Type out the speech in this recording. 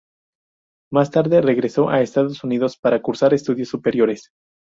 Más tarde regresó a Estados Unidos para cursar estudios superiores.